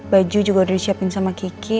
baju juga udah disiapin sama kiki